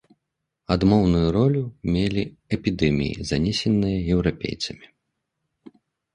Адмоўную ролю мелі эпідэміі, занесеныя еўрапейцамі.